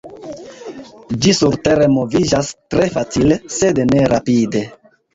Ĝi surtere moviĝas tre facile, sed ne rapide.